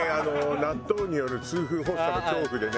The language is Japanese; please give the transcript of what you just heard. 納豆による痛風発作の恐怖でね。